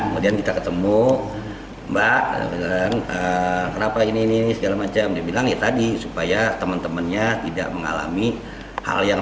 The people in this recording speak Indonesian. mbak kenapa ini ini segala macam dia bilangnya tadi supaya temen temennya tidak mengalami hal yang